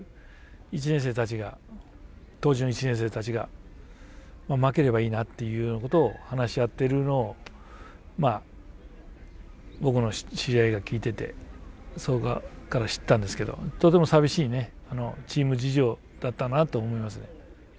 １年生たちが当時の１年生たちが「負ければいいな」というようなことを話し合っているのを僕の知り合いが聞いててそこから知ったんですけどとても寂しいチーム事情だったなと思いますね。